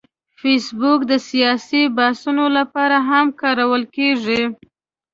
فېسبوک د سیاسي بحثونو لپاره هم کارول کېږي